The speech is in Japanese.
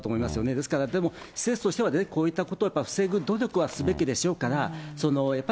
ですから、でも施設としては、やっぱりこういったことを防ぐ努力はすべきでしょうから、やっぱ